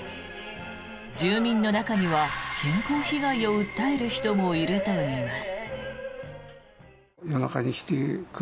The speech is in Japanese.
住民の中には健康被害を訴える人もいるといいます。